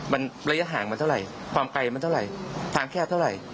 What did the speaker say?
มันระยะห่างมันเท่าไหร่ความไกลมันเท่าไหร่ทางแคบเท่าไหร่